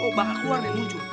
obat keluar yang muncul